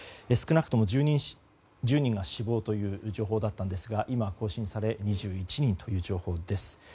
少なくとも１０人が死亡という情報だったんですが今、更新され２１人という情報です。